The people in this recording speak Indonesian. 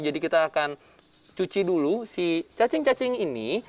jadi kita akan cuci dulu si cacing cacing ini